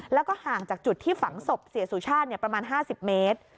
แล้วก็ห่างจากจุดที่ฝังศพเสียสุชาติประมาณ๕๐เมตร